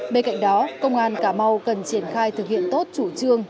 bên cạnh đó công an cà mau cần triển khai thực hiện tốt chủ trương